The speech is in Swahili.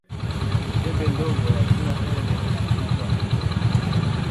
Chembe ndogo ya kila elementi huitwa atomu.